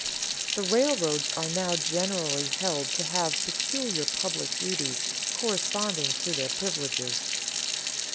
_The railroads are now generally held to have peculiar public duties corresponding to their privileges.